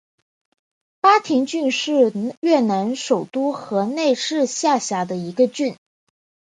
巴亭郡是越南首都河内市下辖的一个郡。